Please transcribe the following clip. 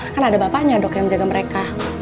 kan ada bapaknya dok yang menjaga mereka